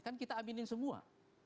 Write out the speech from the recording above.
kan kita aminin semua